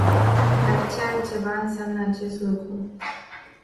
Dar ce altceva înseamnă acest lucru?